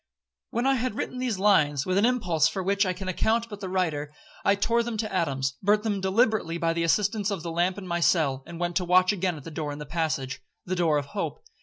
'When I had written these lines, with an impulse for which all can account but the writer, I tore them to atoms, burnt them deliberately by the assistance of the lamp in my cell, and went to watch again at the door in the passage—the door of hope.